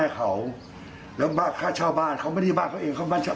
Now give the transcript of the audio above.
เขาบ้านเขาไม่ได้บ้านเขาเองเขาบ้านเช่า